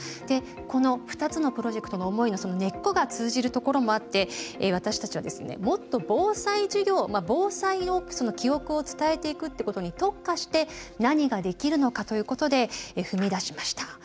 でこの２つのプロジェクトの思いの根っこが通じるところもあって私たちはもっと防災授業防災を記憶を伝えていくってことに特化して何ができるのかということで踏み出しました。